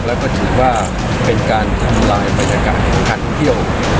แล้วก็ถือว่าเป็นการทำลายบรรยากาศการท่องเที่ยว